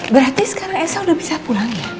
berarti sekarang esa sudah bisa pulang ya